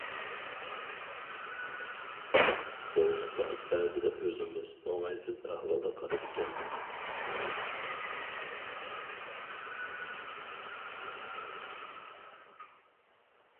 بولمىسا بەزىدە ئۆزىمىز ئوڭايسىز ئەھۋالدا قالىدىكەنمىز.